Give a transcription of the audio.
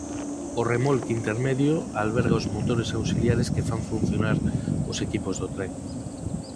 O remolque intermedio alberga os motores auxiliares que fan funcionar os equipos do tren.